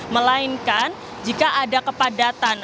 melainkan jika ada kepadatan